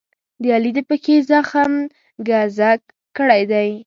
د علي د پښې زخم ګذک کړی دی.